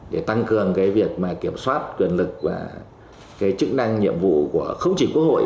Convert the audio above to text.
để tăng cường cái việc mà kiểm soát quyền lực và cái chức năng nhiệm vụ của không chỉ quốc hội